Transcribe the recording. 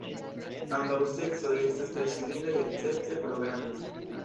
Ambaŭ seksoj estas tre similaj escepte pro grando.